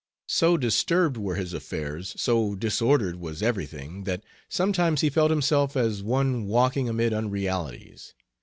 So disturbed were his affairs, so disordered was everything, that sometimes he felt himself as one walking amid unrealities.